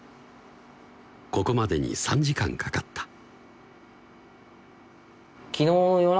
ここまでに３時間かかった